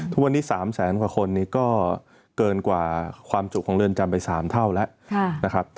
ทุกวันนี้๓แสนกว่าคนนี้ก็เกินกว่าความจุของเรือนจำไป๓เท่าแล้วนะครับ